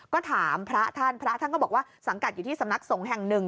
ก็ถามพระท่านพระท่านก็บอกว่าสังกัดอยู่ที่สำนักสงฆ์แห่งหนึ่ง